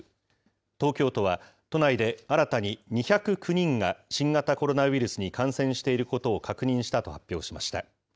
東京都は、都内で新たに２０９人が新型コロナウイルスに感染していることを確認したと発表しました。